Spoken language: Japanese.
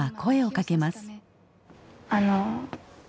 あの。